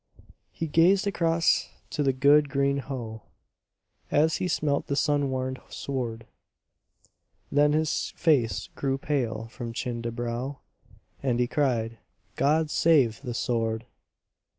He gazed across to the good Green Howe As he smelt the sun warmed sward; Then his face grew pale from chin to brow, And he cried, "God save the sword!"